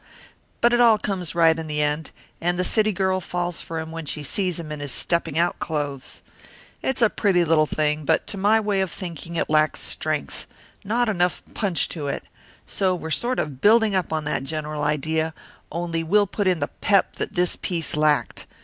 But it all comes right in the end, and the city girl falls for him when she sees him in his stepping out clothes. "It's a pretty little thing, but to my way of thinking it lacks strength; not enough punch to it. So we're sort of building up on that general idea, only we'll put in the pep that this piece lacked.